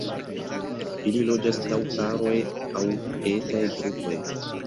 Ili loĝas laŭ paroj aŭ etaj grupoj.